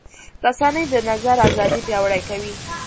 رسنۍ د نظر ازادي پیاوړې کوي.